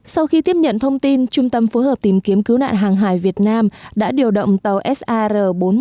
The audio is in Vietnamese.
sau khi tiếp nhận thông tin trung tâm phối hợp tìm kiếm cứu nạn hàng hải việt nam đã điều động tàu sar bốn trăm một